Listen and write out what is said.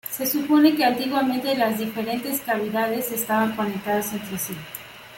Se supone que antiguamente las diferentes cavidades estaban conectadas entre sí.